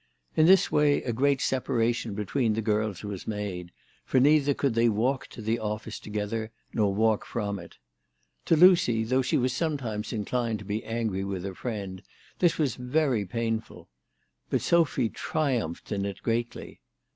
In this way a great separation between the girls was made, for neither could they walk to the office together, nor walk from it. To Lucy, though she was. sometimes inclined to be angry with her friend, this was very painful. But Sophy triumphed in it greatly.